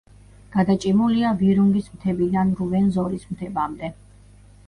გადაჭიმულია ვირუნგის მთებიდან რუვენზორის მთებამდე.